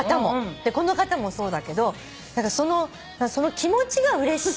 でこの方もそうだけどその気持ちがうれしい。